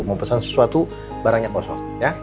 mau pesan sesuatu barangnya kosong